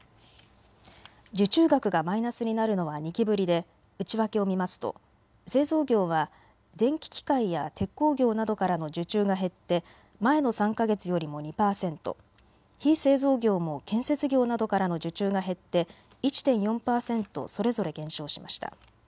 受注額がマイナスになるのは２期ぶりで内訳を見ますと製造業は電気機械や鉄鋼業などからの受注が減って前の３か月よりも２％、非製造業も建設業などからの受注が減って１．４％それぞれ減少しました。